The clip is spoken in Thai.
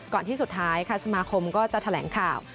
ที่สุดท้ายค่ะสมาคมก็จะแถลงข่าว